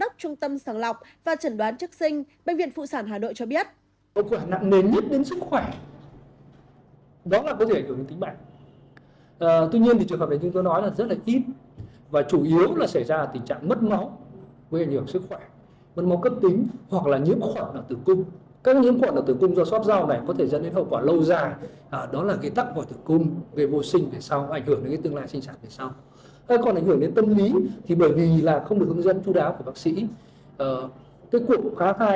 bác sĩ nguyễn cảnh trương phó giám đốc trung tâm sàng lọc và trần đoán trức sinh bệnh viện phụ sản hà nội cho biết